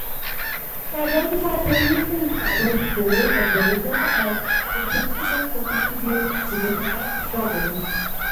He identified previously established schools of Buddhism as responsible for contributing to Japan's struggles.